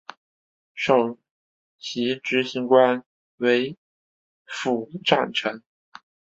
首席执行官为符展成。